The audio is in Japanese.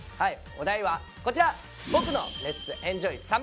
お題はこちら。